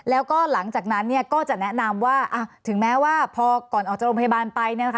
แล้วก็หลังจากนั้นก็จะแนะนำว่าถึงแม้ว่าพอก่อนออกจากโรงพยาบาลไป